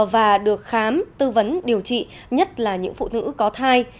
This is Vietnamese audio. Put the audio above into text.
và được khám tư vấn điều trị nhất là những phụ nữ có thai